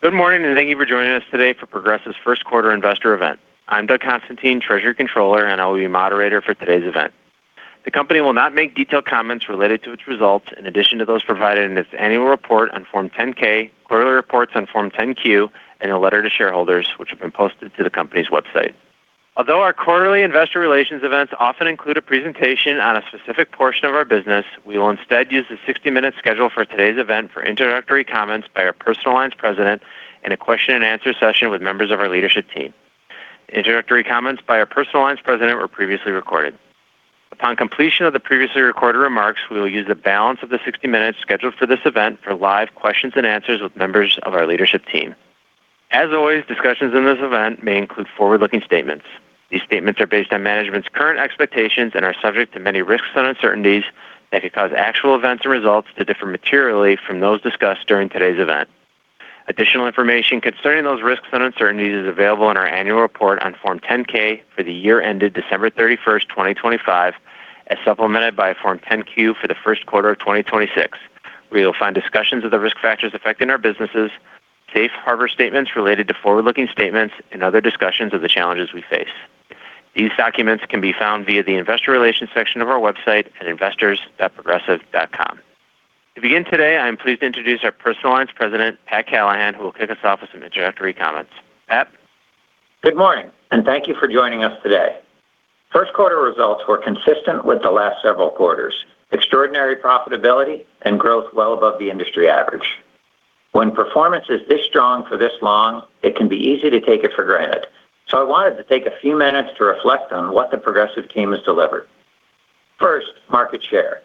Good morning. Thank you for joining us today for Progressive's Q1 Investor Event. I'm Doug Constantine, treasury controller, and I will be your moderator for today's event. The company will not make detailed comments related to its results in addition to those provided in its annual report on Form 10-K, quarterly reports on Form 10-Q, and a letter to shareholders, which have been posted to the company's website. Although our quarterly investor relations events often include a presentation on a specific portion of our business, we will instead use the 60-minute schedule for today's event for introductory comments by our Personal Lines President and a question and answer session with members of our leadership team. Introductory comments by our Personal Lines President were previously recorded. Upon completion of the previously recorded remarks, we will use the balance of the 60 minutes scheduled for this event for live questions and answers with members of our leadership team. As always, discussions in this event may include forward-looking statements. These statements are based on management's current expectations and are subject to many risks and uncertainties that could cause actual events or results to differ materially from those discussed during today's event. Additional information concerning those risks and uncertainties is available in our annual report on Form 10-K for the year ended December 31st, 2025, as supplemented by Form 10-Q for the Q1 of 2026, where you'll find discussions of the risk factors affecting our businesses, safe harbor statements related to forward-looking statements, and other discussions of the challenges we face. These documents can be found via the investor relations section of our website at investors.progressive.com. To begin today, I am pleased to introduce our Personal Lines President, Pat Callahan, who will kick us off with some introductory comments. Pat? Good morning, thank you for joining us today. Q1 results were consistent with the last several quarters, extraordinary profitability and growth well above the industry average. When performance is this strong for this long, it can be easy to take it for granted. I wanted to take a few minutes to reflect on what the Progressive team has delivered. First, market share.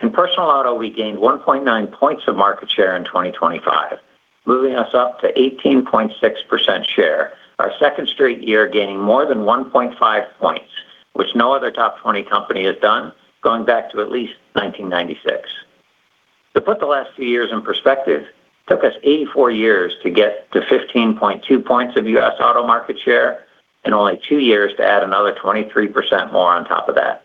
In personal auto, we gained 1.9 points of market share in 2025, moving us up to 18.6% share. Our second straight year gaining more than 1.5 points, which no other top 20 company has done, going back to at least 1996. To put the last few years in perspective, took us 84 years to get to 15.2 points of US auto market share and only two years to add another 23% more on top of that.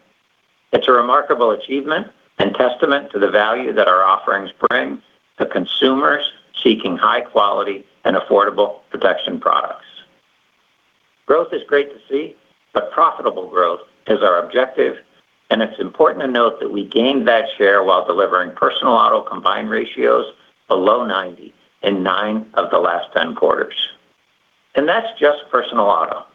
It's a remarkable achievement and testament to the value that our offerings bring to consumers seeking high quality and affordable protection products. Growth is great to see, but profitable growth is our objective, and it's important to note that we gained that share while delivering personal auto combined ratios below 90 in nine of the last 10 quarters. That's just personal auto.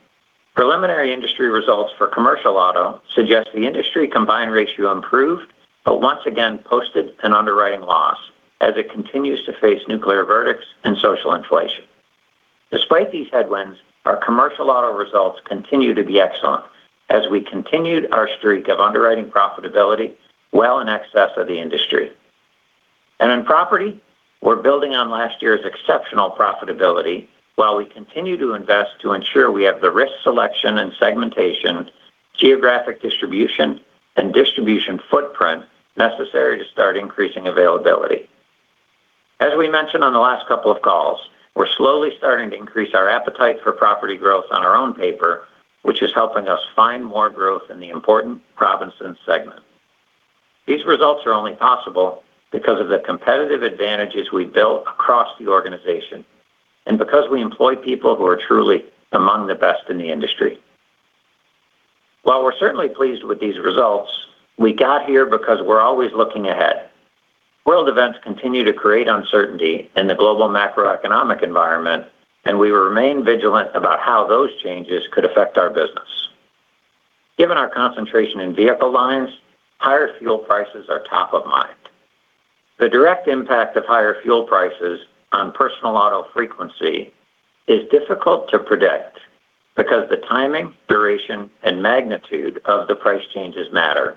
Preliminary industry results for commercial auto suggest the industry combined ratio improved, but once again posted an underwriting loss as it continues to face nuclear verdicts and social inflation. Despite these headwinds, our commercial auto results continue to be excellent as we continued our streak of underwriting profitability well in excess of the industry. In Property, we're building on last year's exceptional profitability while we continue to invest to ensure we have the risk selection and segmentation, geographic distribution, and distribution footprint necessary to start increasing availability. As we mentioned on the last couple of calls, we're slowly starting to increase our appetite for Property growth on our own paper, which is helping us find more growth in the important Property and segment. These results are only possible because of the competitive advantages we built across the organization and because we employ people who are truly among the best in the industry. While we're certainly pleased with these results, we got here because we're always looking ahead. World events continue to create uncertainty in the global macroeconomic environment, and we will remain vigilant about how those changes could affect our business. Given our concentration in vehicle lines, higher fuel prices are top of mind. The direct impact of higher fuel prices on personal auto frequency is difficult to predict because the timing, duration, and magnitude of the price changes matter,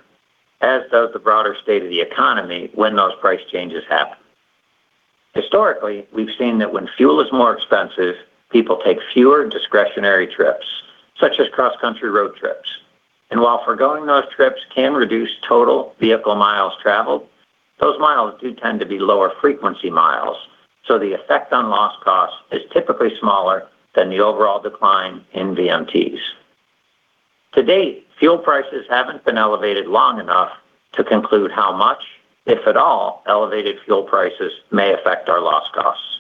as does the broader state of the economy when those price changes happen. Historically, we've seen that when fuel is more expensive, people take fewer discretionary trips, such as cross-country road trips. While forgoing those trips can reduce total vehicle miles traveled, those miles do tend to be lower frequency miles, so the effect on loss cost is typically smaller than the overall decline in VMTs. To date, fuel prices haven't been elevated long enough to conclude how much, if at all, elevated fuel prices may affect our loss costs.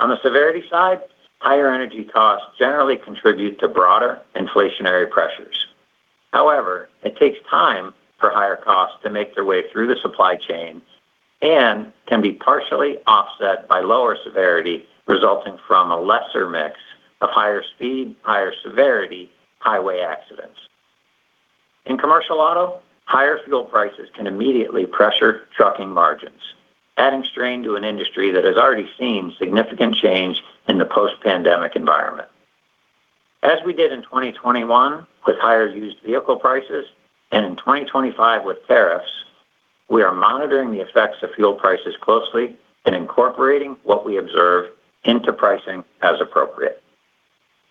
On the severity side, higher energy costs generally contribute to broader inflationary pressures. However, it takes time for higher costs to make their way through the supply chain and can be partially offset by lower severity resulting from a lesser mix of higher speed, higher severity highway accidents. In commercial auto, higher fuel prices can immediately pressure trucking margins, adding strain to an industry that has already seen significant change in the post-pandemic environment. As we did in 2021 with higher used vehicle prices and in 2025 with tariffs, we are monitoring the effects of fuel prices closely and incorporating what we observe into pricing as appropriate.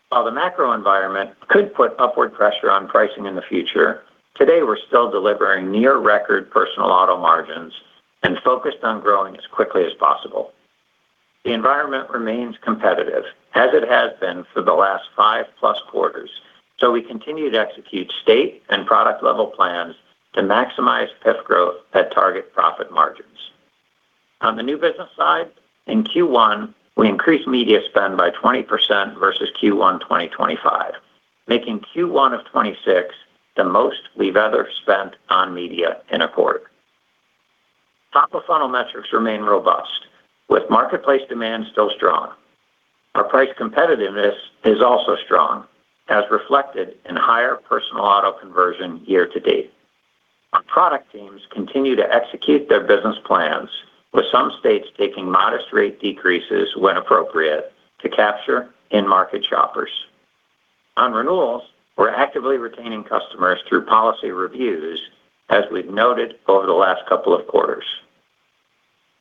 While the macro environment could put upward pressure on pricing in the future, today we're still delivering near record personal auto margins and focused on growing as quickly as possible. The environment remains competitive, as it has been for the last five plus quarters. We continue to execute state and product level plans to maximize PIF growth at target profit margins. On the new business side, in Q1, we increased media spend by 20% versus Q1 2025, making Q1 of 2026 the most we've ever spent on media in a quarter. Top of funnel metrics remain robust, with marketplace demand still strong. Our price competitiveness is also strong, as reflected in higher personal auto conversion year to date. Our product teams continue to execute their business plans, with some states taking modest rate decreases when appropriate to capture in-market shoppers. On renewals, we're actively retaining customers through policy reviews, as we've noted over the last couple of quarters.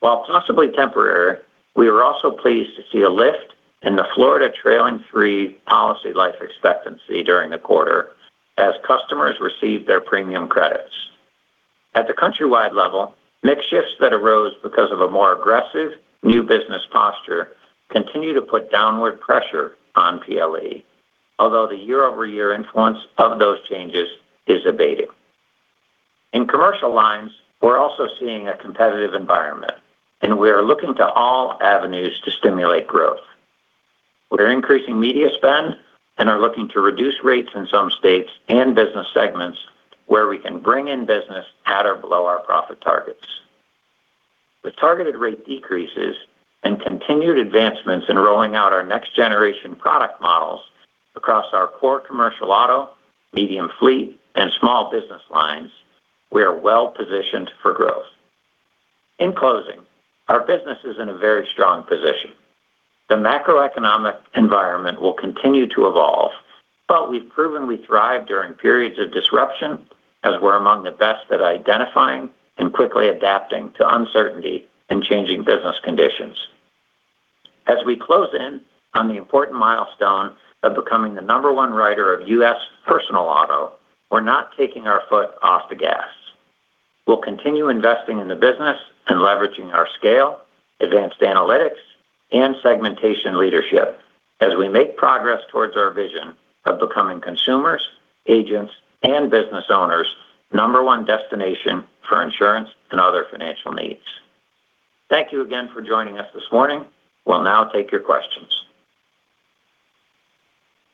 While possibly temporary, we were also pleased to see a lift in the Florida trailing three policy life expectancy during the quarter as customers received their premium credits. At the countrywide level, mix shifts that arose because of a more aggressive new business posture continue to put downward pressure on PLE, although the year-over-year influence of those changes is abating. In Commercial Lines, we're also seeing a competitive environment, and we are looking to all avenues to stimulate growth. We're increasing media spend and are looking to reduce rates in some states and business segments where we can bring in business at or below our profit targets. With targeted rate decreases and continued advancements in rolling out our next-generation product models across our core commercial auto, medium fleet, and small business lines, we are well-positioned for growth. In closing, our business is in a very strong position. The macroeconomic environment will continue to evolve, we've proven we thrive during periods of disruption, as we're among the best at identifying and quickly adapting to uncertainty and changing business conditions. As we close in on the important milestone of becoming the number one writer of U.S. personal auto, we're not taking our foot off the gas. We'll continue investing in the business and leveraging our scale, advanced analytics, and segmentation leadership as we make progress towards our vision of becoming consumers, agents, and business owners' number one destination for insurance and other financial needs. Thank you again for joining us this morning. We'll now take your questions.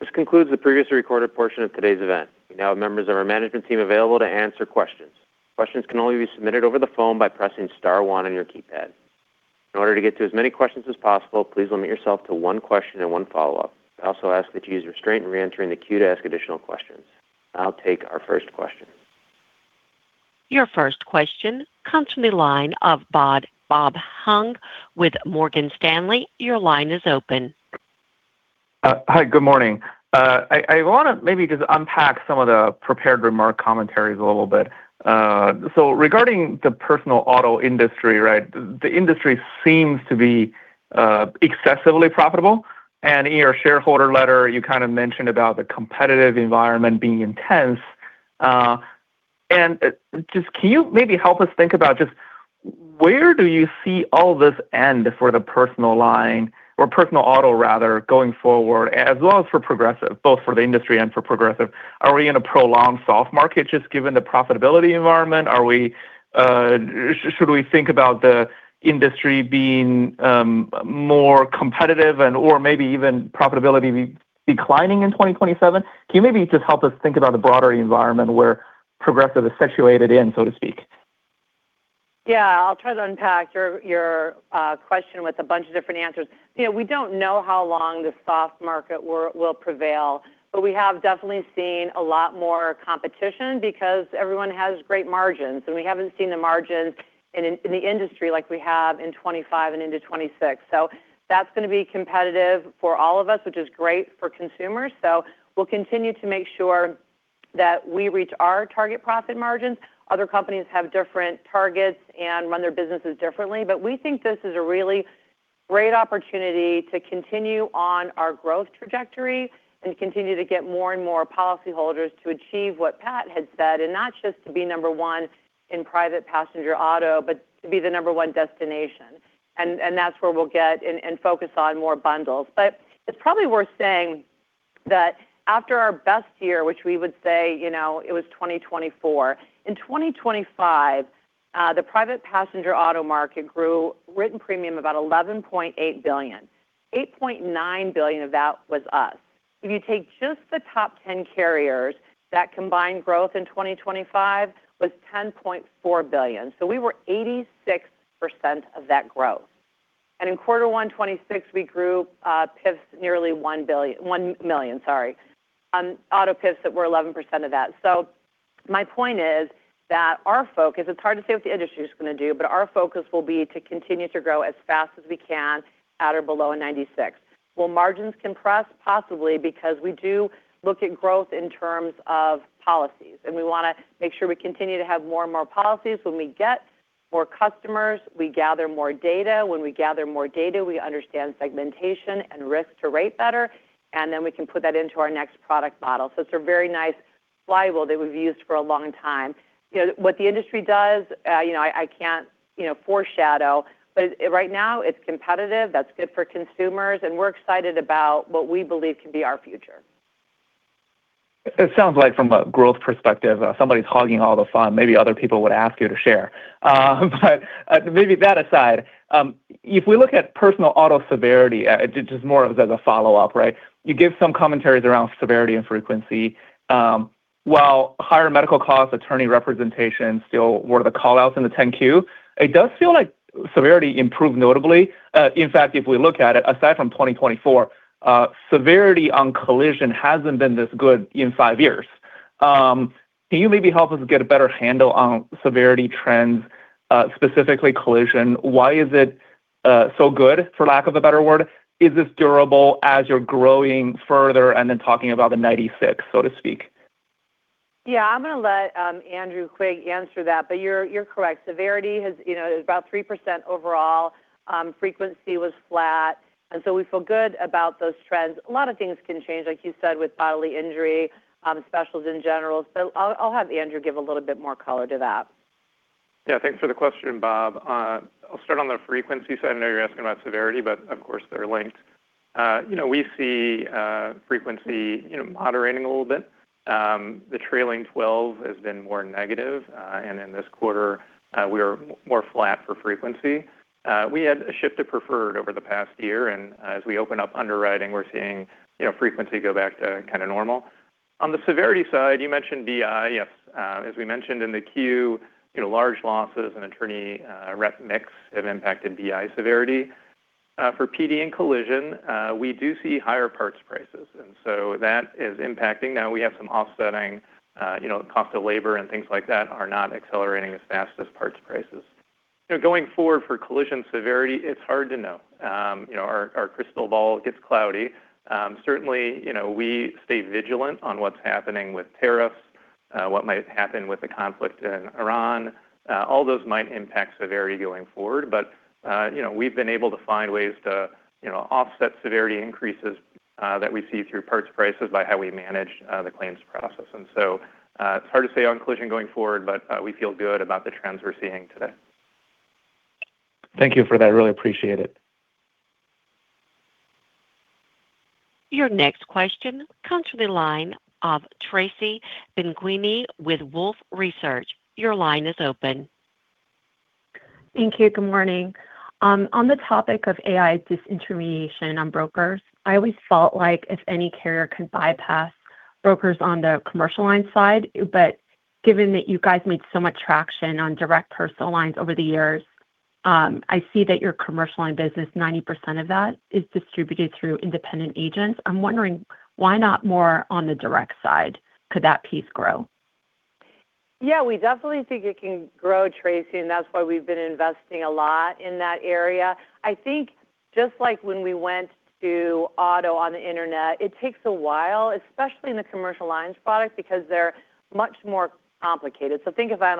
This concludes the previously recorded portion of today's event. We now have members of our management team available to answer questions. Questions can only be submitted over the phone by pressing star one on your keypad. In order to get to as many questions as possible, please limit yourself to one question and one follow-up. I also ask that you use restraint in reentering the queue to ask additional questions. I'll take our first question. Your first question comes from the line of Bob Huang with Morgan Stanley. Your line is open. Hi, good morning. I wanna maybe just unpack some of the prepared remark commentaries a little bit. Regarding the personal auto industry, right? The industry seems to be excessively profitable. In your shareholder letter, you kind of mentioned about the competitive environment being intense. Just can you maybe help us think about just where do you see all this end for the Personal Line or Personal Auto rather, going forward as well as for Progressive, both for the industry and for Progressive. Are we in a prolonged soft market just given the profitability environment? Are we, should we think about the industry being more competitive and or maybe even profitability declining in 2027? Can you maybe just help us think about the broader environment where Progressive is situated in, so to speak? Yeah. I'll try to unpack your question with a bunch of different answers. You know, we don't know how long the soft market will prevail, but we have definitely seen a lot more competition because everyone has great margins, and we haven't seen the margins in the industry like we have in 2025 and into 2026. That's gonna be competitive for all of us, which is great for consumers. We'll continue to make sure that we reach our target profit margins. Other companies have different targets and run their businesses differently. We think this is a really great opportunity to continue on our growth trajectory and continue to get more and more policy holders to achieve what Pat had said, and not just to be number one in private passenger auto, but to be the number one destination. That's where we'll get and focus on more bundles. It's probably worth saying that after our best year, which we would say, you know, it was 2024. In 2025, the private passenger auto market grew written premium about $11.8 billion. $8.9 billion of that was us. If you take just the top 10 carriers, that combined growth in 2025 was $10.4 billion. We were 86% of that growth. In quarter one 2026, we grew PIFs nearly $1 million, sorry, on auto PIFs that were 11% of that. My point is that our focus It's hard to say what the industry is gonna do, but our focus will be to continue to grow as fast as we can at or below 96. Will margins compress? Possibly, because we do look at growth in terms of policies, and we wanna make sure we continue to have more and more policies. When we get more customers, we gather more data. When we gather more data, we understand segmentation and risk to rate better, and then we can put that into our next product model. So it's a very nice flywheel that we've used for a long time. You know, what the industry does, you know, I can't, you know, foreshadow. Right now, it's competitive, that's good for consumers, and we're excited about what we believe could be our future. It sounds like from a growth perspective, somebody's hogging all the fun. Maybe other people would ask you to share. Maybe that aside, if we look at personal auto severity, just more of as a follow-up, right? You give some commentaries around severity and frequency. While higher medical costs, attorney representation still were the call-outs in the 10-Q, it does feel like severity improved notably. In fact, if we look at it, aside from 2024, severity on collision hasn't been this good in five years. Can you maybe help us get a better handle on severity trends, specifically collision? Why is it so good, for lack of a better word? Is this durable as you're growing further and then talking about the 96, so to speak? Yeah. I'm gonna let Andrew Quigg answer that, but you're correct. Severity has, you know, is about 3% overall. Frequency was flat, we feel good about those trends. A lot of things can change, like you said, with bodily injury, specials in general. I'll have Andrew give a little bit more color to that. Thanks for the question, Bob. I'll start on the frequency side. I know you're asking about severity, of course, they're linked. You know, we see frequency, you know, moderating a little bit. The trailing 12 has been more negative, in this quarter, we are more flat for frequency. We had a shift to preferred over the past year, as we open up underwriting, we're seeing, you know, frequency go back to kinda normal. On the severity side, you mentioned BI. Yes, as we mentioned in the Q, you know, large losses and attorney rep mix have impacted BI severity. For PD and collision, we do see higher parts prices, that is impacting. We have some offsetting, you know, cost of labor and things like that are not accelerating as fast as parts prices. You know, going forward for collision severity, it's hard to know. You know, our crystal ball gets cloudy. Certainly, you know, we stay vigilant on what's happening with tariffs, what might happen with the conflict in Iran. All those might impact severity going forward, but, you know, we've been able to find ways to, you know, offset severity increases that we see through parts prices by how we manage the claims process. It's hard to say on collision going forward, but we feel good about the trends we're seeing today. Thank you for that. Really appreciate it. Your next question comes from the line of Tracy Benguigui with Wolfe Research. Your line is open. Thank you. Good morning. On the topic of AI disintermediation on brokers, I always felt like if any carrier could bypass brokers on the commercial line side, given that you guys made so much traction on Direct Personal Lines over the years, I see that your commercial line business, 90% of that is distributed through independent agents. I'm wondering, why not more on the direct side could that piece grow? Yeah. We definitely think it can grow, Tracy, that's why we've been investing a lot in that area. I think just like when we went to auto on the Internet, it takes a while, especially in the Commercial Lines side, because they're much more complicated. Think if I'm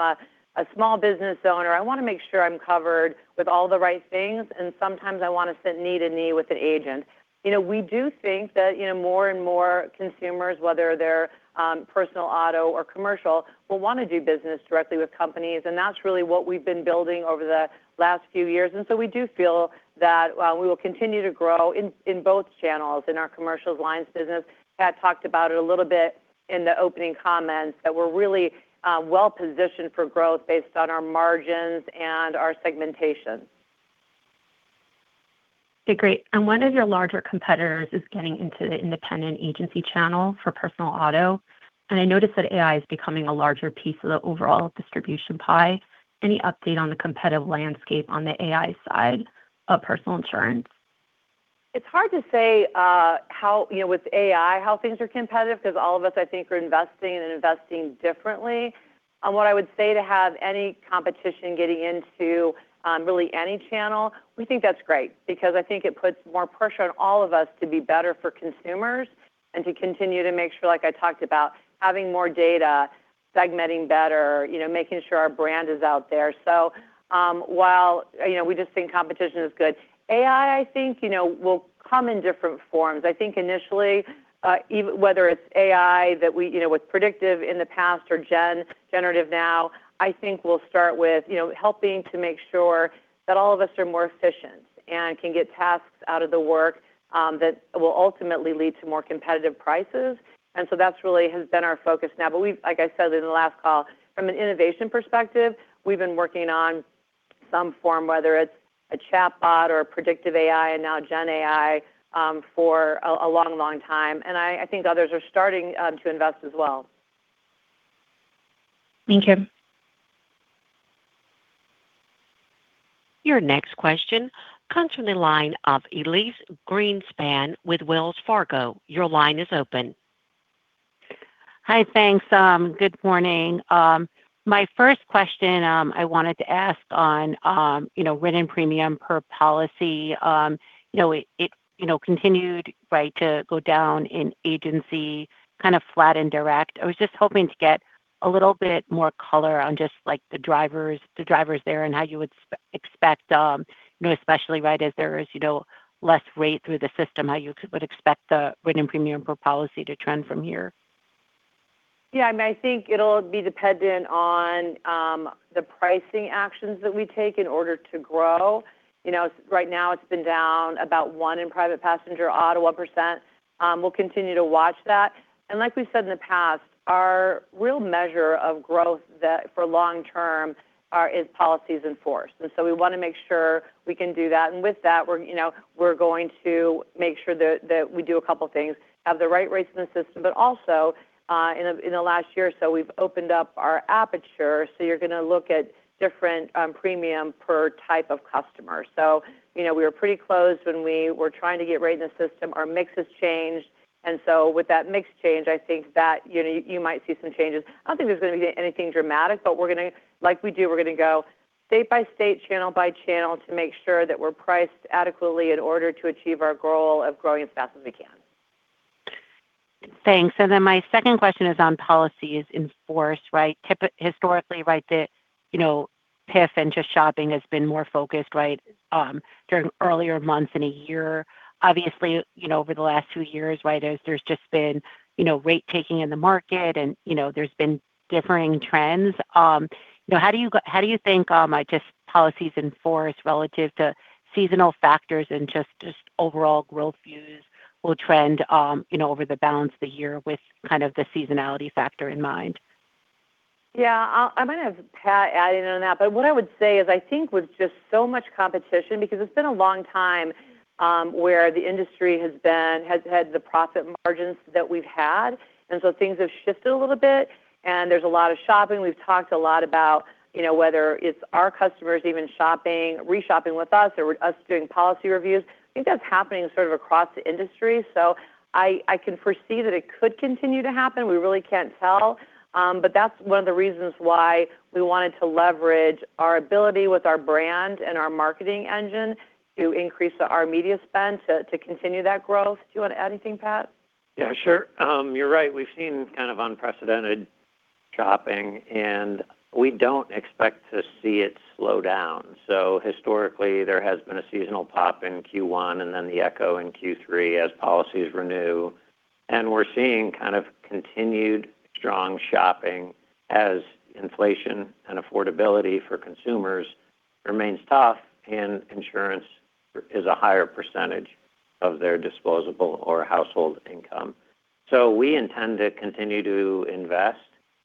a small business owner, I wanna make sure I'm covered with all the right things, and sometimes I wanna sit knee to knee with an agent. You know, we do think that, you know, more and more consumers, whether they're Personal Auto or Commercial, will wanna do business directly with companies, and that's really what we've been building over the last few years. We do feel that we will continue to grow in both channels in our Commercial Lines business. Pat talked about it a little bit in the opening comments that we're really well-positioned for growth based on our margins and our segmentation. Okay, great. One of your larger competitors is getting into the independent agency channel for Personal Auto, and I noticed that AI is becoming a larger piece of the overall distribution pie. Any update on the competitive landscape on the AI side of personal insurance? It's hard to say, how, you know, with AI, how things are competitive because all of us, I think, are investing and investing differently. What I would say to have any competition getting into, really any channel, we think that's great because I think it puts more pressure on all of us to be better for consumers and to continue to make sure, like I talked about, having more data, segmenting better, you know, making sure our brand is out there. While, you know, we just think competition is good, AI, I think, you know, will come in different forms. I think initially, whether it's AI that we, you know, with predictive in the past or generative now, I think we'll start with, you know, helping to make sure that all of us are more efficient and can get tasks out of the work, that will ultimately lead to more competitive prices. That's really has been our focus now. We've, like I said in the last call, from an innovation perspective, we've been working on some form, whether it's a chatbot or a predictive AI and now Gen AI, for a long, long time. I think others are starting to invest as well. Thank you. Your next question comes from the line of Elyse Greenspan with Wells Fargo. Hi, thanks. Good morning. My first question, I wanted to ask on, you know, written premium per policy. You know, it, you know, continued, right, to go down in agency, kind of flat in direct. I was just hoping to get a little bit more color on just like the drivers there, and how you would expect, you know, especially, right, as there is, you know, less rate through the system, how you would expect the written premium per policy to trend from here. Yeah, I mean, I think it'll be dependent on the pricing actions that we take in order to grow. You know, right now it's been down about one in private passenger auto, percent. We'll continue to watch that. Like we've said in the past, our real measure of growth that for long term is policies in force. We wanna make sure we can do that. With that, you know, we're going to make sure that we do a couple of things, have the right rates in the system, but also in the last year or so, we've opened up our aperture, so you're gonna look at different premium per type of customer. You know, we were pretty closed when we were trying to get rate in the system. Our mix has changed. With that mix change, I think that, you know, you might see some changes. I don't think there's gonna be anything dramatic, but we're gonna, like we do, we're gonna go state by state, channel by channel to make sure that we're priced adequately in order to achieve our goal of growing as fast as we can. Thanks. My second question is on policies in force, right? Historically, right, the, you know, PIF and just shopping has been more focused, right, during earlier months in a year. Obviously, you know, over the last two years, right, there's just been, you know, rate taking in the market and, you know, there's been differing trends. You know, how do you how do you think, like just policies in force relative to seasonal factors and just overall growth views will trend, you know, over the balance of the year with kind of the seasonality factor in mind? Yeah. I might have Pat adding on that. What I would say is I think with just so much competition, because it's been a long time where the industry has had the profit margins that we've had, things have shifted a little bit, there's a lot of shopping. We've talked a lot about, you know, whether it's our customers even shopping, re-shopping with us or us doing policy reviews. I think that's happening sort of across the industry. I can foresee that it could continue to happen. We really can't tell. That's one of the reasons why we wanted to leverage our ability with our brand and our marketing engine to increase our media spend to continue that growth. Do you want to add anything, Pat? Yeah, sure. You're right. We've seen kind of unprecedented shopping, and we don't expect to see it slow down. Historically, there has been a seasonal pop in Q1 and then the echo in Q3 as policies renew. We're seeing kind of continued strong shopping as inflation and affordability for consumers remains tough, and insurance is a higher percentage of their disposable or household income. We intend to continue to invest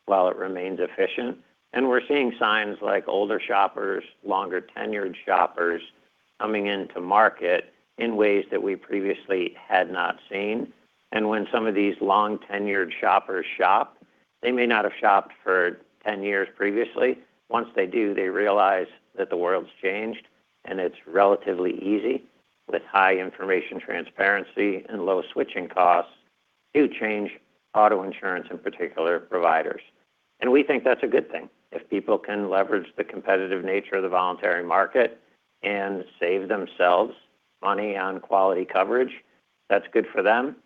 while it remains efficient. We're seeing signs like older shoppers, longer-tenured shoppers coming into market in ways that we previously had not seen. When some of these long-tenured shoppers shop, they may not have shopped for 10 years previously. Once they do, they realize that the world's changed, and it's relatively easy with high information transparency and low switching costs to change auto insurance, in particular, providers. We think that's a good thing. If people can leverage the competitive nature of the voluntary market and save themselves money on quality coverage, that's good for them.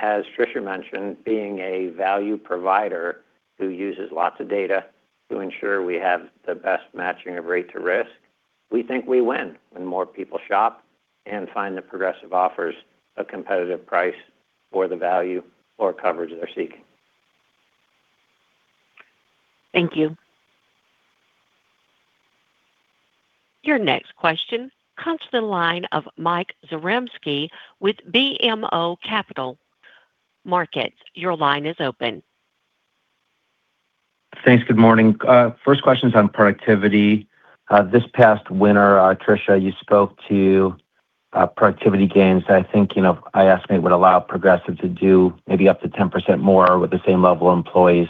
As Tricia mentioned, being a value provider who uses lots of data to ensure we have the best matching of rate to risk, we think we win when more people shop and find that Progressive offers a competitive price for the value or coverage they're seeking. Thank you. Your next question comes to the line of Mike Zaremski with BMO Capital Markets. Your line is open. Thanks. Good morning. First question's on productivity. This past winter, Tricia, you spoke to productivity gains. I think, you know, I estimate would allow Progressive to do maybe up to 10% more with the same level of employees.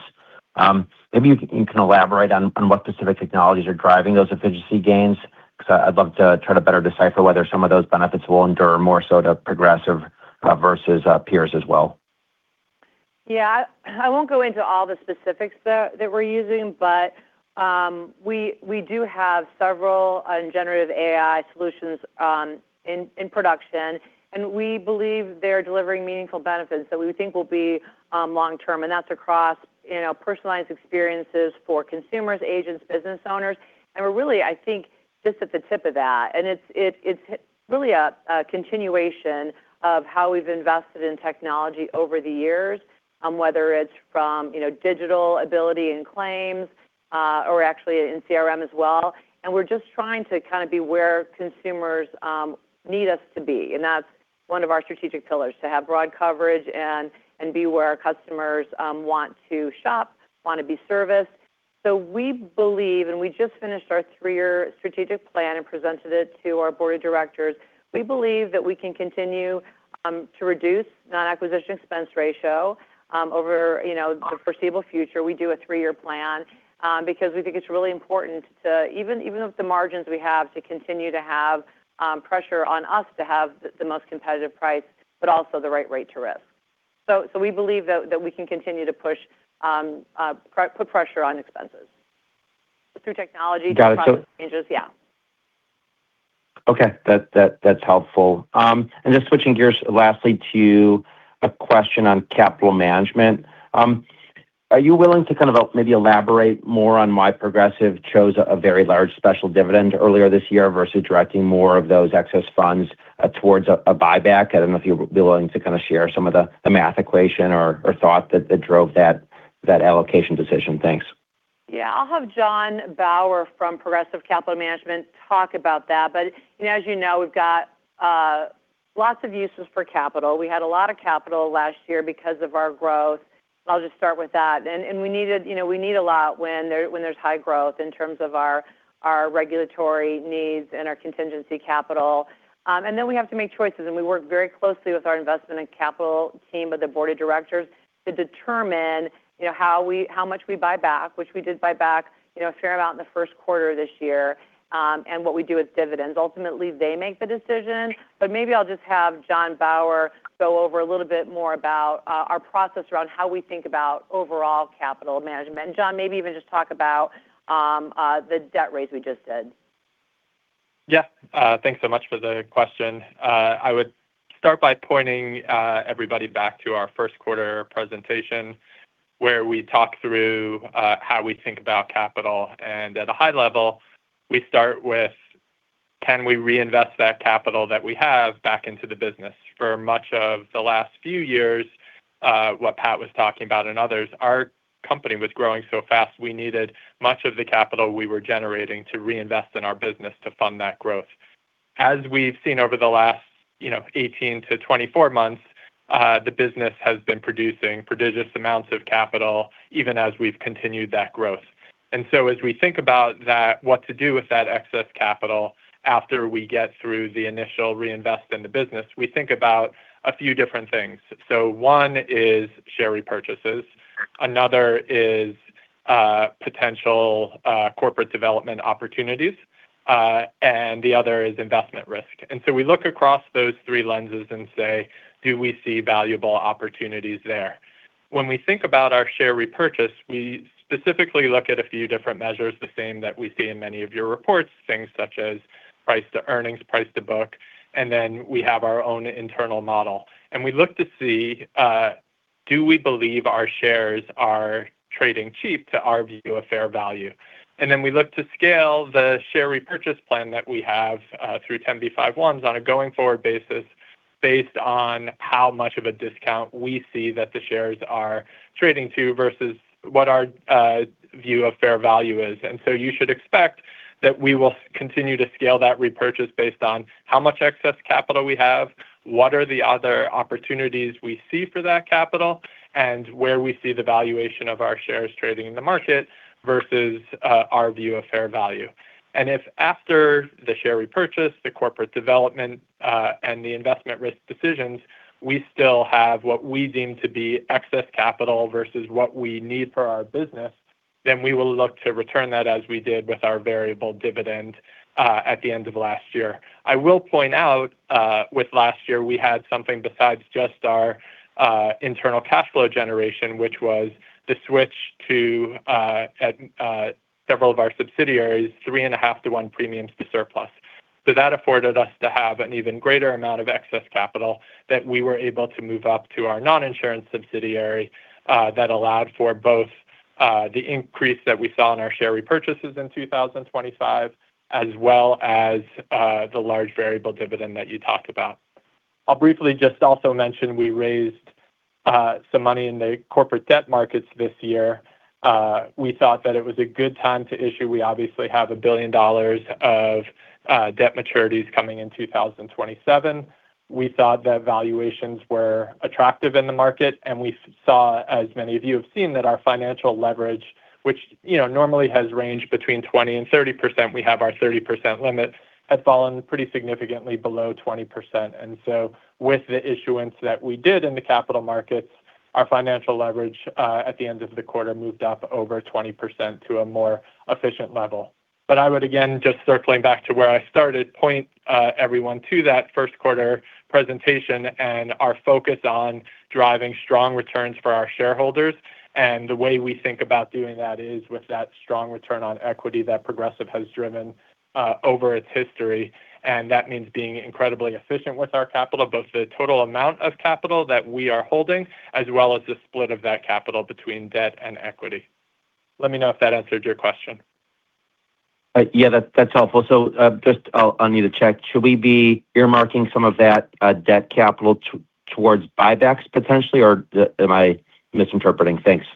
Maybe you can elaborate on what specific technologies are driving those efficiency gains, 'cause I'd love to try to better decipher whether some of those benefits will endure more so to Progressive versus peers as well. Yeah. I won't go into all the specifics that we're using, but we do have several Generative AI solutions in production. We believe they're delivering meaningful benefits that we think will be long term. That's across, you know, personalized experiences for consumers, agents, business owners. We're really, I think, just at the tip of that. It's really a continuation of how we've invested in technology over the years, whether it's from, you know, digital ability and claims or actually in CRM as well. We're just trying to kind of be where consumers need us to be. That's one of our strategic pillars, to have broad coverage and be where our customers want to shop, wanna be serviced. We believe, and we just finished our three-year strategic plan and presented it to our board of directors. We believe that we can continue to reduce non-acquisition expense ratio over, you know, the foreseeable future. We do a three-year plan because we think it's really important to, even with the margins we have, to continue to have pressure on us to have the most competitive price, but also the right rate to risk. We believe that we can continue to put pressure on expenses through technology. Got it. -through process changes. Yeah. Okay. That's helpful. Just switching gears lastly to a question on capital management. Are you willing to kind of maybe elaborate more on why Progressive chose a very large special dividend earlier this year versus directing more of those excess funds towards a buyback? I don't know if you'd be willing to kind of share some of the math equation or thought that drove that allocation decision. Thanks. Yeah. I'll have Jon Bauer from Progressive Capital Management Corp. talk about that. You know, as you know, we've got lots of uses for capital. We had a lot of capital last year because of our growth. I'll just start with that. We needed You know, we need a lot when there, when there's high growth in terms of our regulatory needs and our contingency capital. Then we have to make choices, we work very closely with our investment and capital team of the board of directors to determine, you know, how much we buy back, which we did buy back, you know, a fair amount in the Q1 this year, and what we do with dividends. Ultimately, they make the decision. Maybe I'll just have Jonathan Bauer go over a little bit more about our process around how we think about overall capital management. Jon, maybe even just talk about the debt raise we just did. Yeah. Thanks so much for the question. I would start by pointing everybody back to our Q1 presentation, where we talked through how we think about capital. At a high level, we start with, can we reinvest that capital that we have back into the business? For much of the last few years, what Pat was talking about and others, our company was growing so fast, we needed much of the capital we were generating to reinvest in our business to fund that growth. As we've seen over the last, you know, 18-24 months, the business has been producing prodigious amounts of capital, even as we've continued that growth. As we think about that, what to do with that excess capital after we get through the initial reinvest in the business, we think about a few different things. One is share repurchases, another is potential corporate development opportunities, and the other is investment risk. We look across those three lenses and say, "Do we see valuable opportunities there?" When we think about our share repurchase, we specifically look at a few different measures, the same that we see in many of your reports, things such as price to earnings, price to book, and then we have our own internal model. We look to see, do we believe our shares are trading cheap to our view of fair value? We look to scale the share repurchase plan that we have through 10b5-1s on a going-forward basis based on how much of a discount we see that the shares are trading to versus what our view of fair value is. You should expect that we will continue to scale that repurchase based on how much excess capital we have, what are the other opportunities we see for that capital, and where we see the valuation of our shares trading in the market versus our view of fair value. If after the share repurchase, the corporate development and the investment risk decisions, we still have what we deem to be excess capital versus what we need for our business, then we will look to return that as we did with our variable dividend at the end of last year. I will point out, with last year, we had something besides just our internal cash flow generation, which was the switch to at several of our subsidiaries three and a half to one premiums to surplus. That afforded us to have an even greater amount of excess capital that we were able to move up to our non-insurance subsidiary, that allowed for both the increase that we saw in our share repurchases in 2025, as well as the large variable dividend that you talked about. I'll briefly just also mention we raised some money in the corporate debt markets this year. We thought that it was a good time to issue. We obviously have a billion dollars of debt maturities coming in 2027. We thought that valuations were attractive in the market, and we saw, as many of you have seen, that our financial leverage, which, you know, normally has ranged between 20% and 30%, we have our 30% limit, had fallen pretty significantly below 20%. With the issuance that we did in the capital markets, our financial leverage, at the end of the quarter moved up over 20% to a more efficient level. I would, again, just circling back to where I started, point, everyone to that Q1 presentation and our focus on driving strong returns for our shareholders. The way we think about doing that is with that strong return on equity that Progressive has driven, over its history, and that means being incredibly efficient with our capital, both the total amount of capital that we are holding, as well as the split of that capital between debt and equity. Let me know if that answered your question. Yeah, that's helpful. Just I'll need to check. Should we be earmarking some of that, debt capital towards buybacks potentially, or am I misinterpreting? Thanks.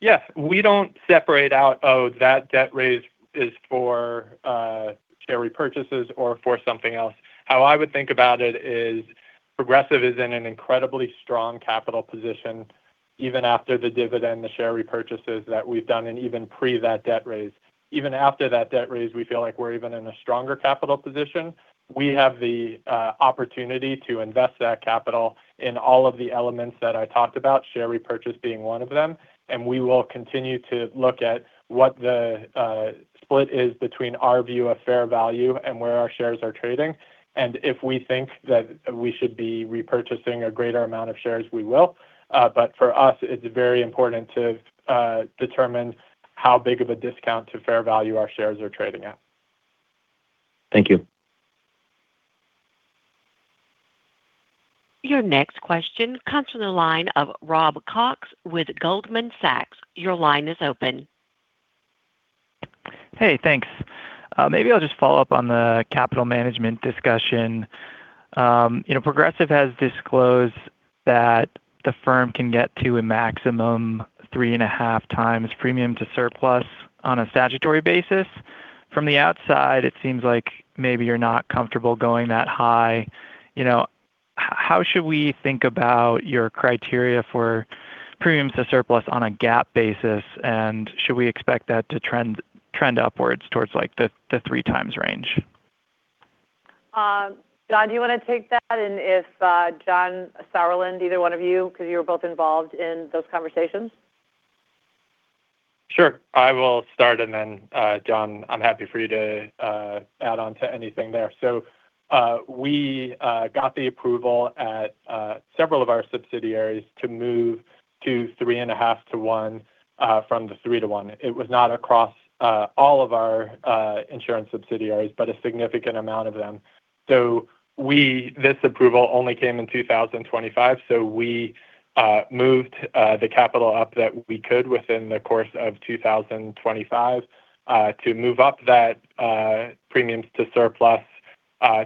Yeah. We don't separate out, oh, that debt raise is for share repurchases or for something else. How I would think about it is Progressive is in an incredibly strong capital position, even after the dividend, the share repurchases that we've done, and even pre that debt raise. Even after that debt raise, we feel like we're even in a stronger capital position. We have the opportunity to invest that capital in all of the elements that I talked about, share repurchase being one of them, and we will continue to look at what the split is between our view of fair value and where our shares are trading. If we think that we should be repurchasing a greater amount of shares, we will. For us, it's very important to determine how big of a discount to fair value our shares are trading at. Thank you. Your next question comes from the line of Rob Cox with Goldman Sachs. Your line is open. Hey, thanks. Maybe I'll just follow up on the capital management discussion. You know, Progressive has disclosed that the firm can get to a maximum 3.5x premium to surplus on a statutory basis. From the outside, it seems like maybe you're not comfortable going that high. You know, how should we think about your criteria for premiums to surplus on a GAAP basis? And should we expect that to trend upwards towards, like, the 3x range? Jon, do you wanna take that? If, John Sauerland, either one of you, 'cause you were both involved in those conversations. Sure. I will start, and then, John, I'm happy for you to add on to anything there. We got the approval at several of our subsidiaries to move to 3.5x-1x from the 3x-1x. It was not across all of our insurance subsidiaries, but a significant amount of them. This approval only came in 2025, we moved the capital up that we could within the course of 2025 to move up that premiums to surplus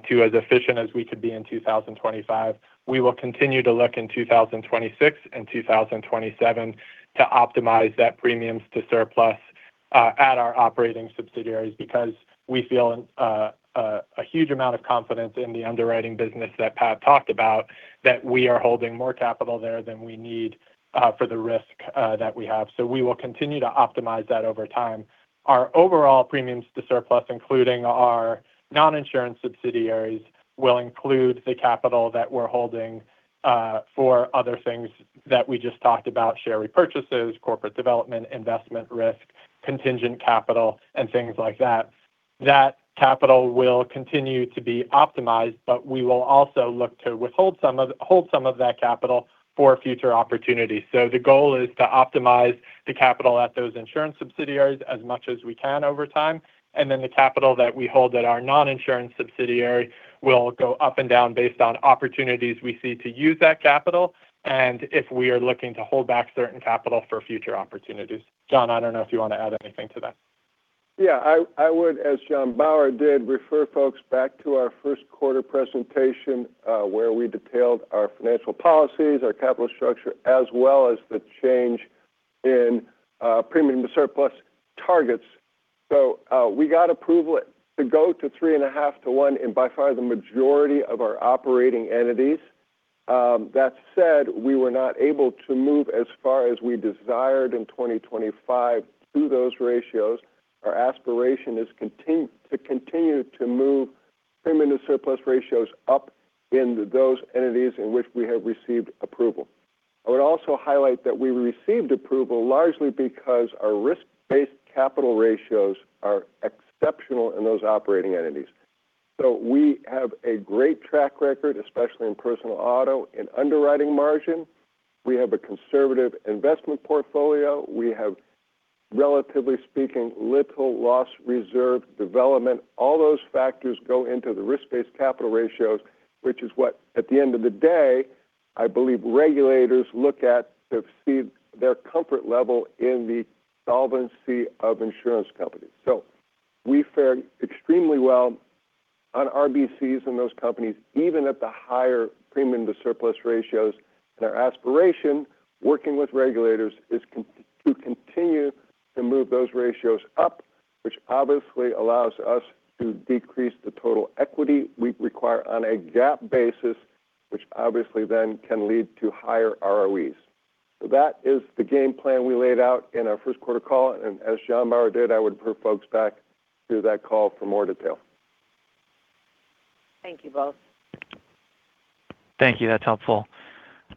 to as efficient as we could be in 2025. We will continue to look in 2026 and 2027 to optimize that premiums to surplus at our operating subsidiaries because we feel a huge amount of confidence in the underwriting business that Pat talked about, that we are holding more capital there than we need for the risk that we have. We will continue to optimize that over time. Our overall premiums to surplus, including our non-insurance subsidiaries, will include the capital that we're holding for other things that we just talked about, share repurchases, corporate development, investment risk, contingent capital, and things like that. That capital will continue to be optimized, but we will also look to hold some of that capital for future opportunities. The goal is to optimize the capital at those insurance subsidiaries as much as we can over time, and then the capital that we hold at our non-insurance subsidiary will go up and down based on opportunities we see to use that capital and if we are looking to hold back certain capital for future opportunities. John, I don't know if you want to add anything to that. I would, as Jon Bauer did, refer folks back to our Q1 presentation, where we detailed our financial policies, our capital structure, as well as the change in premium to surplus targets. We got approval to go to 3.5x-1x in by far the majority of our operating entities. That said, we were not able to move as far as we desired in 2025 through those ratios. Our aspiration is to continue to move premium to surplus ratios up in those entities in which we have received approval. I would also highlight that we received approval largely because our risk-based capital ratios are exceptional in those operating entities. We have a great track record, especially in personal auto and underwriting margin. We have a conservative investment portfolio. We have, relatively speaking, little loss reserve development. All those factors go into the risk-based capital ratios, which is what, at the end of the day, I believe regulators look at to see their comfort level in the solvency of insurance companies. We fared extremely well on RBCs in those companies, even at the higher premium to surplus ratios. Our aspiration, working with regulators, is to continue to move those ratios up, which obviously allows us to decrease the total equity we require on a GAAP basis, which obviously then can lead to higher ROEs. That is the game plan we laid out in our Q1 call, and as Jon Bauer did, I would refer folks back to that call for more detail. Thank you both. Thank you. That's helpful.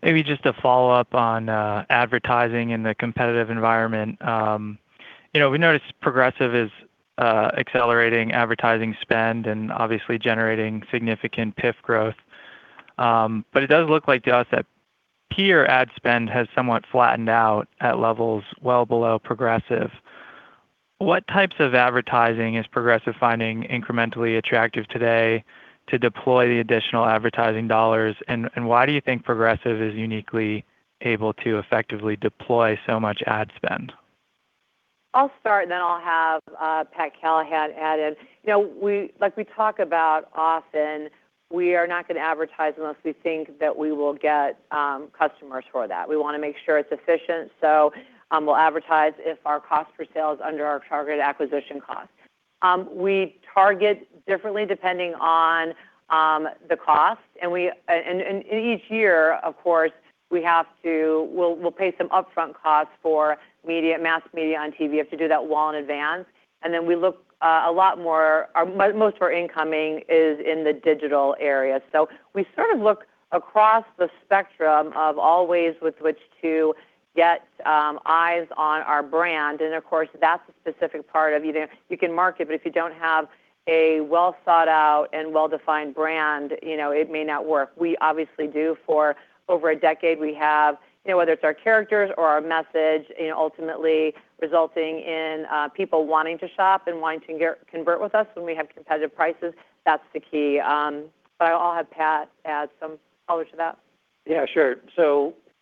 Maybe just a follow-up on advertising in the competitive environment. You know, we noticed Progressive is accelerating advertising spend and obviously generating significant PIF growth. But it does look like the offset peer ad spend has somewhat flattened out at levels well below Progressive. What types of advertising is Progressive finding incrementally attractive today to deploy the additional advertising dollars? Why do you think Progressive is uniquely able to effectively deploy so much ad spend? I'll start, and then I'll have Pat Callahan add in. You know, we, like we talk about often, we are not gonna advertise unless we think that we will get customers for that. We wanna make sure it's efficient. We'll advertise if our cost per sale is under our targeted acquisition cost. We target differently depending on the cost, and each year, of course, we'll pay some upfront costs for media, mass media on TV. You have to do that well in advance. Then we look a lot more. Most of our incoming is in the digital area. We sort of look across the spectrum of all ways with which to get eyes on our brand. Of course, that's a specific part of, you know, you can market, but if you don't have a well-thought-out and well-defined brand, you know, it may not work. We obviously do for over a decade. We have, you know, whether it's our characters or our message, you know, ultimately resulting in people wanting to shop and wanting to get convert with us when we have competitive prices. That's the key. I'll have Pat add some color to that. Yeah, sure.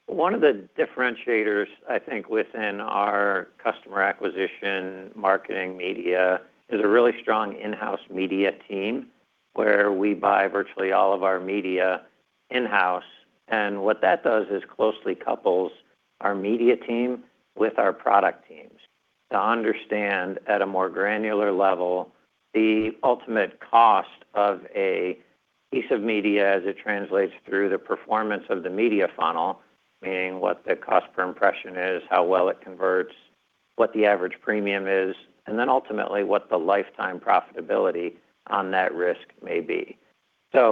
One of the differentiators, I think, within our customer acquisition marketing media is a really strong in-house media team where we buy virtually all of our media in-house. What that does is closely couples our media team with our product teams to understand at a more granular level the ultimate cost of a piece of media as it translates through the performance of the media funnel, meaning what the cost per impression is, how well it converts, what the average premium is, and ultimately what the lifetime profitability on that risk may be.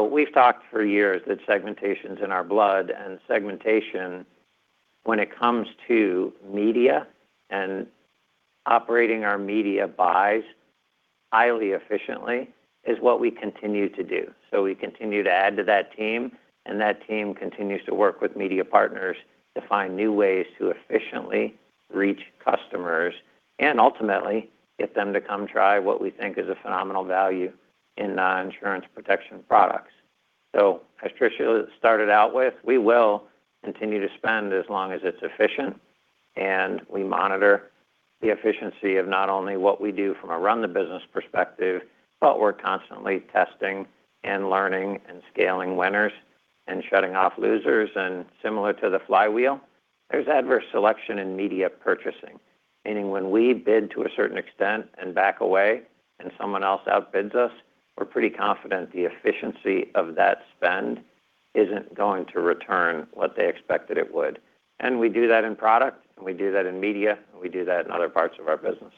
We've talked for years that segmentation's in our blood, and segmentation when it comes to media and operating our media buys highly efficiently is what we continue to do. We continue to add to that team, and that team continues to work with media partners to find new ways to efficiently reach customers and ultimately get them to come try what we think is a phenomenal value in non-insurance protection products. As Tricia started out with, we will continue to spend as long as it's efficient, and we monitor the efficiency of not only what we do from a run the business perspective, but we're constantly testing and learning and scaling winners and shutting off losers. Similar to the flywheel, there's adverse selection in media purchasing, meaning when we bid to a certain extent and back away and someone else outbids us, we're pretty confident the efficiency of that spend isn't going to return what they expected it would. We do that in product, and we do that in media, and we do that in other parts of our business.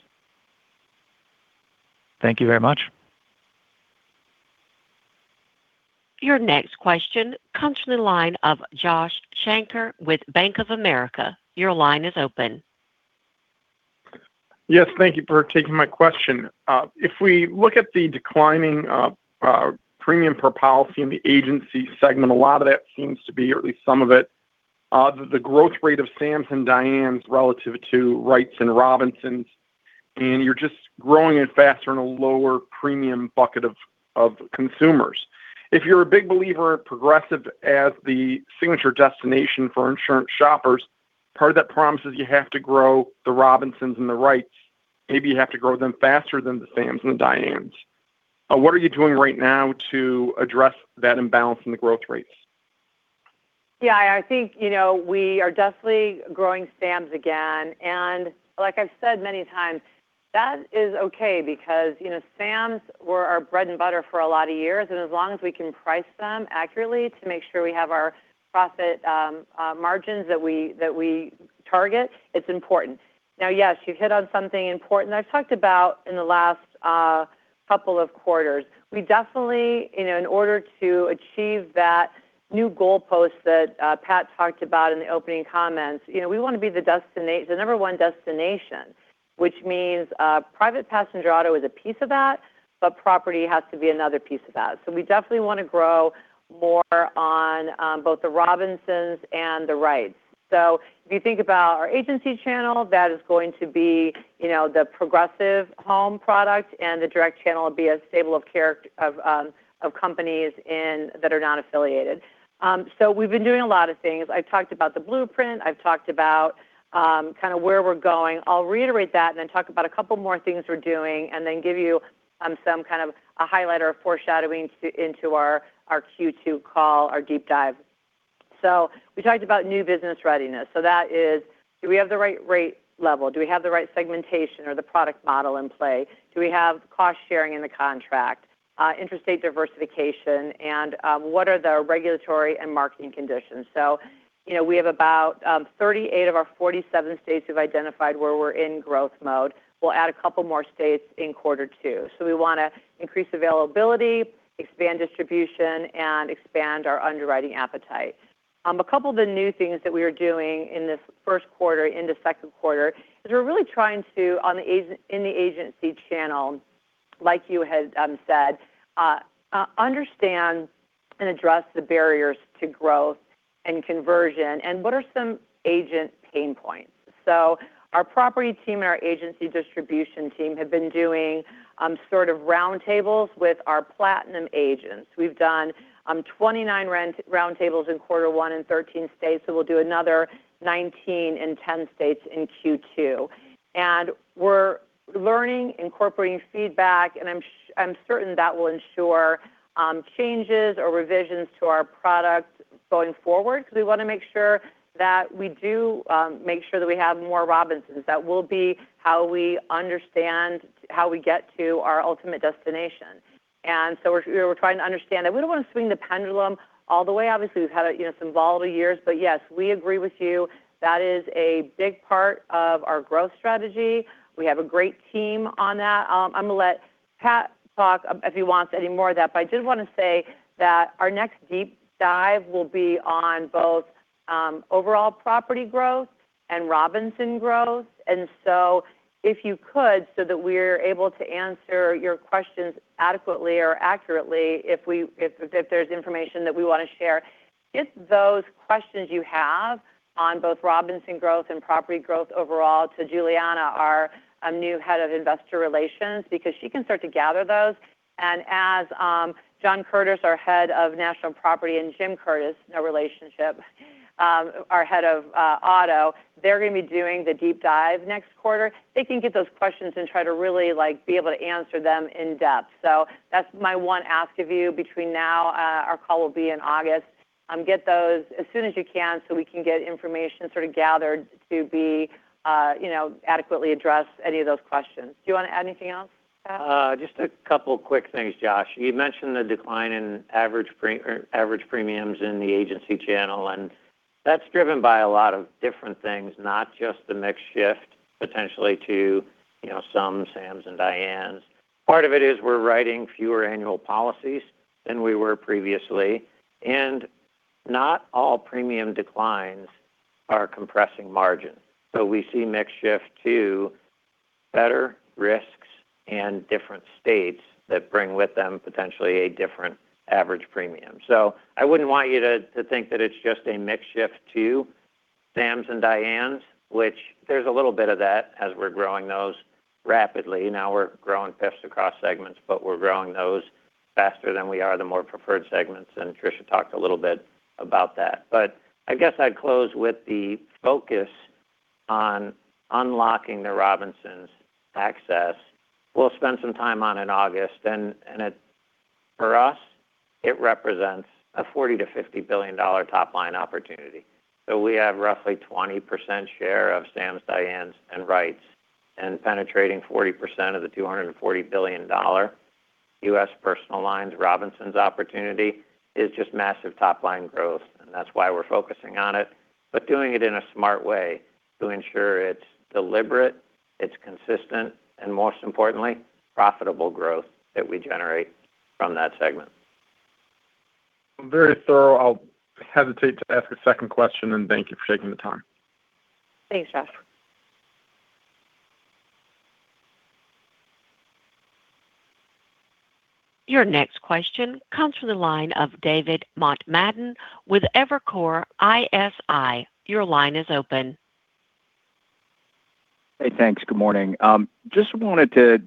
Thank you very much. Your next question comes from the line of Josh Shanker with Bank of America. Your line is open. Yes, thank you for taking my question. If we look at the declining premium per policy in the agency segment, a lot of that seems to be, or at least some of it, the growth rate of Sams and Diannes relative to Wrights and Robinsons. You're just growing it faster in a lower premium bucket of consumers. If you're a big believer in Progressive as the signature destination for insurance shoppers, part of that promise is you have to grow the Robinsons and the Wrights. Maybe you have to grow them faster than the Sams and the Diannes. What are you doing right now to address that imbalance in the growth rates? I think, you know, we are definitely growing Sams again. Like I've said many times, that is okay because, you know, Sams were our bread and butter for a lot of years, and as long as we can price them accurately to make sure we have our profit margins that we, that we target, it's important. Yes, you hit on something important. I've talked about in the last couple of quarters, we definitely, you know, in order to achieve that new goalpost that Pat talked about in the opening comments, you know, we want to be the number one destination, which means private passenger auto is a piece of that, but Property has to be another piece of that. We definitely want to grow more on both the Robinsons and the Wrights. If you think about our agency channel, that is going to be, you know, the Progressive home product, and the direct channel will be a stable of companies that are not affiliated. We've been doing a lot of things. I've talked about the blueprint. I've talked about kind of where we're going. I'll reiterate that and then talk about a couple more things we're doing and then give you some kind of a highlight or a foreshadowing into our Q2 call, our deep dive. We talked about new business readiness. That is, do we have the right rate level? Do we have the right segmentation or the product model in play? Do we have cost sharing in the contract, interstate diversification, and what are the regulatory and marketing conditions? You know, we have about 38 of our 47 states who've identified where we're in growth mode. We'll add a couple more states in quarter two. We want to increase availability, expand distribution, and expand our underwriting appetite. A couple of the new things that we are doing in this Q1 into Q2 is we're really trying to, in the agency channel, like you had said, understand and address the barriers to growth and conversion and what are some agent pain points. Our Property team and our agency distribution team have been doing sort of roundtables with our platinum agents. We've done 29 roundtables in quarter one in 13 states, so we'll do another 19 in 10 states in Q2. We're learning, incorporating feedback, I'm certain that will ensure changes or revisions to our product going forward because we want to make sure that we do make sure that we have more Robinsons. That will be how we understand how we get to our ultimate destination. We're trying to understand that. We don't want to swing the pendulum all the way. Obviously, we've had, you know, some volatile years, but yes, we agree with you. That is a big part of our growth strategy. We have a great team on that. I'm going to let Pat talk if he wants any more of that, but I did want to say that our next deep dive will be on both overall Property growth and Robinson growth. If you could, so that we're able to answer your questions adequately or accurately if there's information that we want to share, get those questions you have on both Robinsons growth and Property growth overall to Juliana, our new Head of Investor Relations, because she can start to gather those. As John Curtis, our Head of National Property, and Jim Curtis, no relationship, our Head of Auto, they're gonna be doing the deep dive next quarter. They can get those questions and try to really, like, be able to answer them in depth. That's my one ask of you between now, our call will be in August. Get those as soon as you can, so we can get information sort of gathered to be, you know, adequately address any of those questions. Do you wanna add anything else, Pat? Just a couple quick things, Josh. You mentioned the decline in average premiums in the agency channel, and that's driven by a lot of different things, not just the mix shift potentially to, you know, some Sams and Dianes. Part of it is we're writing fewer annual policies than we were previously, and not all premium declines are compressing margin. We see mix shift to better risks and different states that bring with them potentially a different average premium. I wouldn't want you to think that it's just a mix shift to Sams and Dianes, which there's a little bit of that as we're growing those rapidly. Now we're growing PIF across segments, but we're growing those faster than we are the more preferred segments, and Tricia talked a little bit about that. I guess I'd close with the focus on unlocking the Robinsons access. We'll spend some time on in August. For us, it represents a $40 billion-$50 billion top line opportunity. We have roughly 20% share of Sams, Dianes, and Wrights. Penetrating 40% of the $240 billion U.S. Personal Lines Robinsons opportunity is just massive top line growth, and that's why we're focusing on it. Doing it in a smart way to ensure it's deliberate, it's consistent, and most importantly, profitable growth that we generate from that segment. Very thorough. I'll hesitate to ask a second question. Thank you for taking the time. Thanks, Josh. Your next question comes from the line of David Motemaden with Evercore ISI. Your line is open. Hey, thanks. Good morning. Just wanted to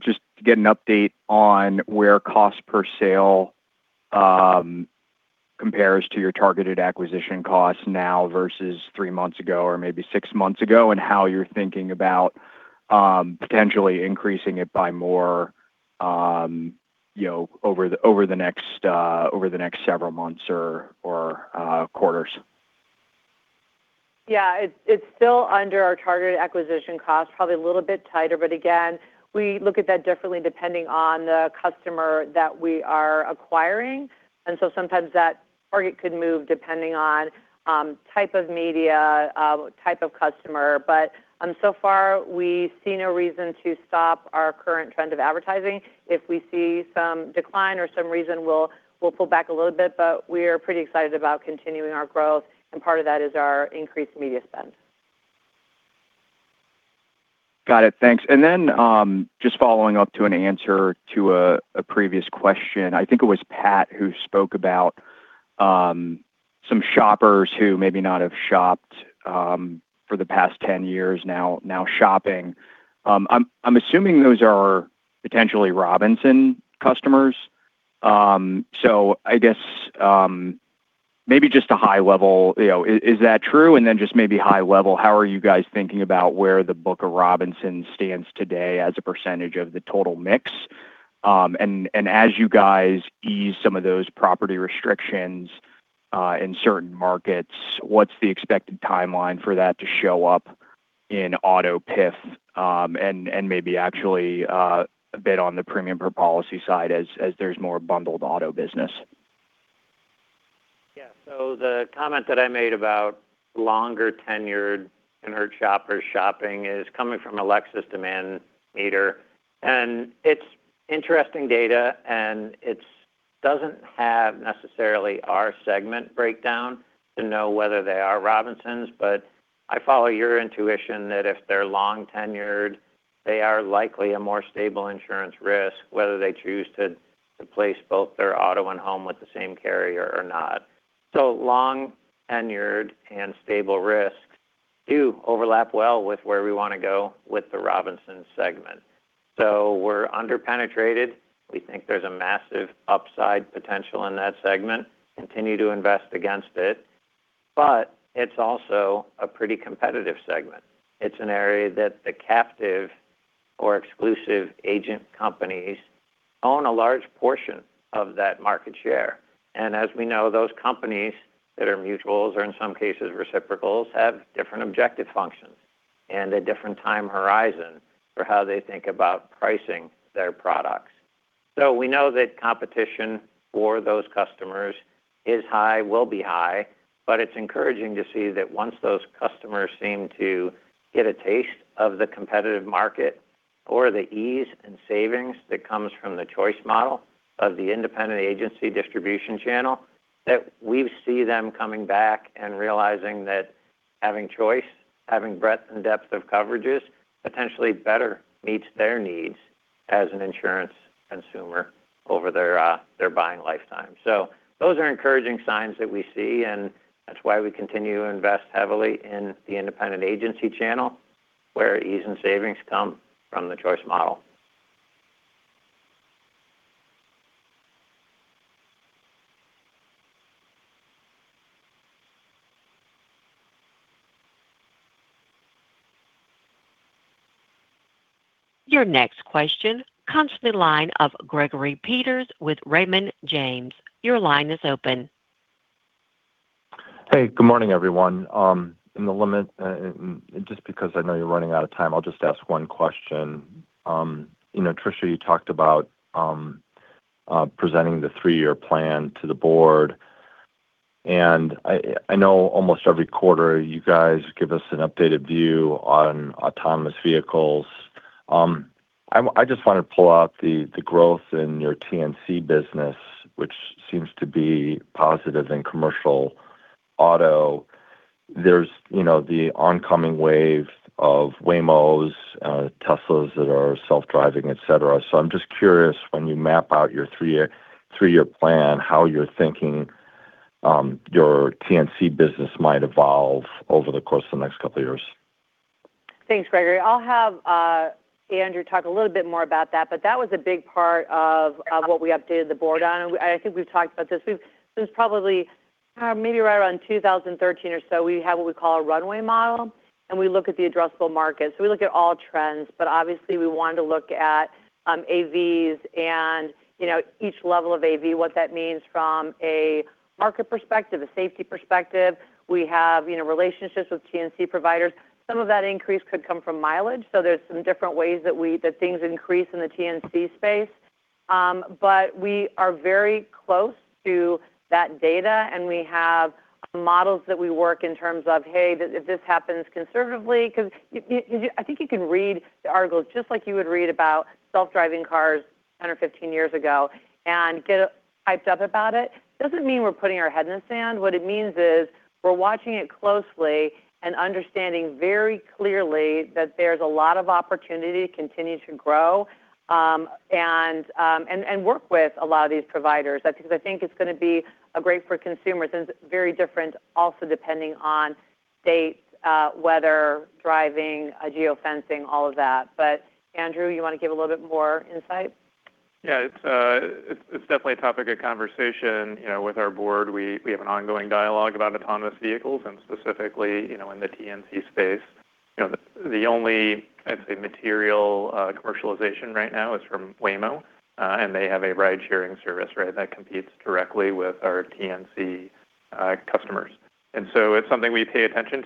get an update on where cost per sale compares to your targeted acquisition costs now versus three months ago or maybe six months ago, and how you're thinking about potentially increasing it by more, you know, over the next several months or quarters? Yeah. It's still under our targeted acquisition cost, probably a little bit tighter. Again, we look at that differently depending on the customer that we are acquiring. Sometimes that target could move depending on type of media, type of customer. So far we see no reason to stop our current trend of advertising. If we see some decline or some reason, we'll pull back a little bit, but we are pretty excited about continuing our growth, and part of that is our increased media spend. Got it. Thanks. Just following up to an answer to a previous question. I think it was Pat who spoke about some shoppers who maybe not have shopped for the past 10 years now shopping. I'm assuming those are potentially Robinsons customers. I guess, maybe just a high level, you know, is that true? Just maybe high level, how are you guys thinking about where the book of Robinsons stands today as a percentage of the total mix? As you guys ease some of those Property restrictions in certain markets, what's the expected timeline for that to show up in auto PIF, maybe actually a bit on the premium per policy side as there's more bundled auto business? Yeah. The comment that I made about longer tenured inert shoppers shopping is coming from a LexisNexis demand meter. It's interesting data, and it doesn't have necessarily our segment breakdown to know whether they are Robinsons, but I follow your intuition that if they're long tenured, they are likely a more stable insurance risk, whether they choose to place both their auto and home with the same carrier or not. So long tenured and stable risks do overlap well with where we wanna go with the Robinson segment. We're under-penetrated. We think there's a massive upside potential in that segment, continue to invest against it. It's also a pretty competitive segment. It's an area that the captive or exclusive agent companies own a large portion of that market share. As we know, those companies that are mutuals or in some cases reciprocals, have different objective functions and a different time horizon for how they think about pricing their products. We know that competition for those customers is high, will be high, but it's encouraging to see that once those customers seem to get a taste of the competitive market or the ease and savings that comes from the choice model of the independent agency distribution channel, that we see them coming back and realizing that having choice, having breadth and depth of coverages, potentially better meets their needs as an insurance consumer over their buying lifetime. Those are encouraging signs that we see, and that's why we continue to invest heavily in the independent agency channel where ease and savings come from the choice model. Your next question comes from the line of Gregory Peters with Raymond James. Your line is open. Hey, good morning, everyone. In the limit, just because I know you're running out of time, I'll just ask one question. You know, Tricia, you talked about presenting the three-year plan to the board, and I know almost every quarter you guys give us an updated view on autonomous vehicles. I just want to pull out the growth in your TNC business, which seems to be positive in commercial auto. There's, you know, the oncoming wave of Waymos, Tesla that are self-driving, et cetera. I'm just curious, when you map out your three-year plan, how you're thinking your TNC business might evolve over the course of the next couple years. Thanks, Gregory. I'll have Andrew talk a little bit more about that, but that was a big part of what we updated the board on. I think we've talked about this. Since probably, maybe right around 2013 or so, we have what we call a runway model, and we look at the addressable markets. We look at all trends, but obviously we wanted to look at AVs and, you know, each level of AV, what that means from a market perspective, a safety perspective. We have, you know, relationships with TNC providers. Some of that increase could come from mileage, so there's some different ways that things increase in the TNC space. We are very close to that data, and we have models that we work in terms of, hey, if this happens conservatively, because you I think you can read the articles just like you would read about self-driving cars 10 or 15 years ago and get hyped up about it. Doesn't mean we're putting our head in the sand. What it means is we're watching it closely and understanding very clearly that there's a lot of opportunity to continue to grow, and work with a lot of these providers. I think it's going to be great for consumers, and it's very different also depending on dates, weather, driving, geo-fencing, all of that. Andrew, you want to give a little bit more insight? Yeah, it's definitely a topic of conversation, you know, with our board. We have an ongoing dialogue about autonomous vehicles and specifically, you know, in the TNC space. You know, the only, I'd say, material commercialization right now is from Waymo, and they have a ride-sharing service, right? That competes directly with our TNC customers. It's something we pay attention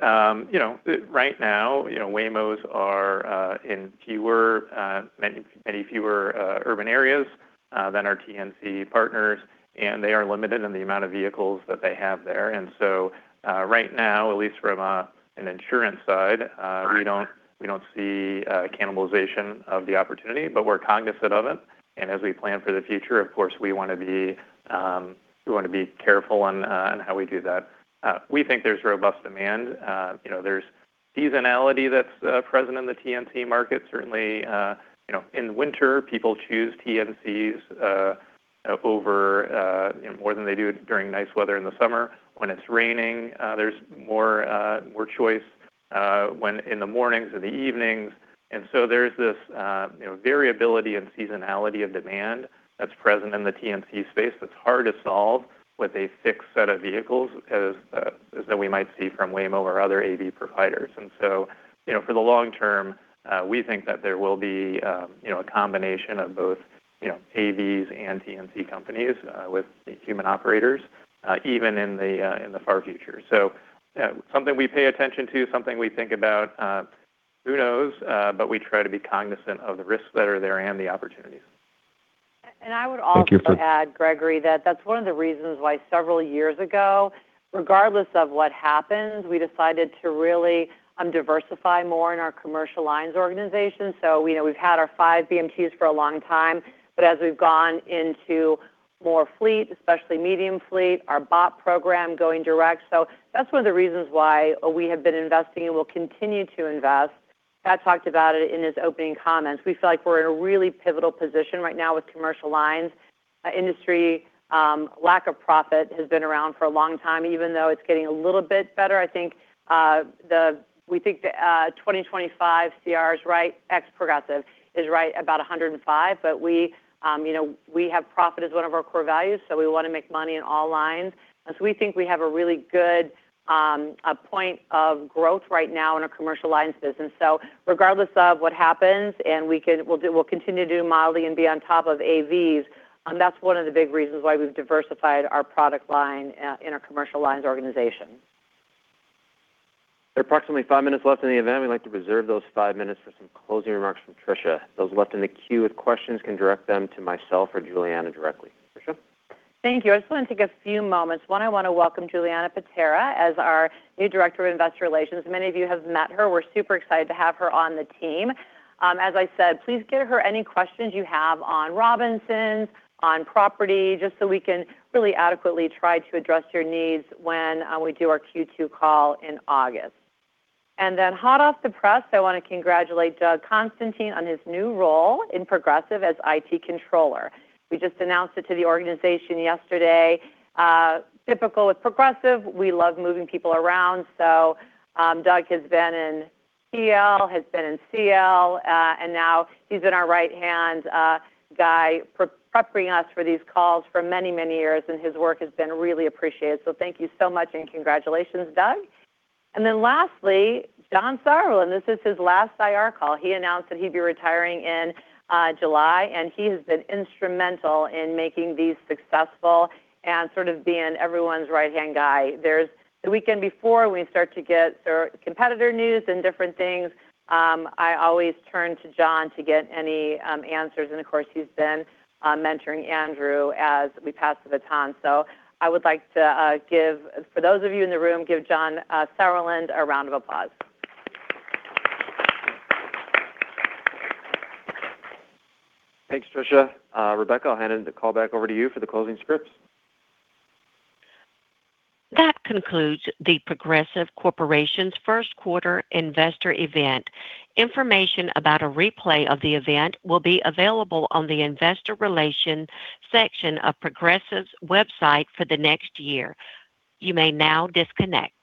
to. You know, right now, you know, Waymos are in fewer, many fewer urban areas than our TNC partners, and they are limited in the amount of vehicles that they have there. Right now, at least from an insurance side, we don't see cannibalization of the opportunity, but we're cognizant of it. As we plan for the future, of course, we wanna be careful on how we do that. We think there's robust demand. You know, there's seasonality that's present in the TNC market. Certainly, you know, in winter, people choose TNCs over more than they do during nice weather in the summer. When it's raining, there's more more choice when in the mornings or the evenings. There's this, you know, variability and seasonality of demand that's present in the TNC space that's hard to solve with a fixed set of vehicles as we might see from Waymo or other AV providers. You know, for the long term, we think that there will be, you know, a combination of both, you know, AVs and TNC companies, with human operators, even in the far future. Something we pay attention to, something we think about, who knows? But we try to be cognizant of the risks that are there and the opportunities. I would also add, Gregory, that that's one of the reasons why several years ago, regardless of what happens, we decided to really diversify more in our Commercial Lines organization. You know, we've had our five BMTs for a long time, but as we've gone into more fleet, especially medium fleet, our BOP program going direct. That's one of the reasons why we have been investing and will continue to invest. Pat talked about it in his opening comments. We feel like we're in a really pivotal position right now with Commercial Lines. Industry lack of profit has been around for a long time, even though it's getting a little bit better. I think we think the 2025 CR is right, ex-Progressive, is right about 105. We, you know, we have profit as one of our core values, so we want to make money in all lines. We think we have a really good point of growth right now in our Commercial Lines business. Regardless of what happens, and we'll continue to do modeling and be on top of AVs, that's one of the big reasons why we've diversified our product line in our Commercial Lines organization. There are approximately five minutes left in the event. We'd like to reserve those five minutes for some closing remarks from Tricia. Those left in the queue with questions can direct them to myself or Juliana directly. Tricia? Thank you. I just want to take a few moments. One, I want to welcome Juliana Patera as our new director of investor relations. Many of you have met her. We're super excited to have her on the team. As I said, please give her any questions you have on Robinsons, on Property, just so we can really adequately try to address your needs when we do our Q2 call in August. Hot off the press, I want to congratulate Doug Constantine on his new role in Progressive as IT Controller. We just announced it to the organization yesterday. Typical with Progressive, we love moving people around. Doug has been in PL, has been in CL, and now he's been our right-hand guy for prepping us for these calls for many, many years, and his work has been really appreciated. Thank you so much, and congratulations, Doug. Lastly, John Sauerland. This is his last IR call. He announced that he'd be retiring in July, and he has been instrumental in making these successful and sort of being everyone's right-hand guy. The weekend before we start to get sort of competitor news and different things, I always turn to John to get any answers. Of course, he's been mentoring Andrew as we pass the baton. I would like to give, for those of you in the room, give John Sauerland a round of applause. Thanks, Tricia. Rebecca, I'll hand the call back over to you for the closing scripts. That concludes The Progressive Corporation's Q1 Investor Event. Information about a replay of the event will be available on the investor relations section of Progressive's website for the next year. You may now disconnect